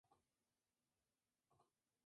El español Sito Pons cerró el podio.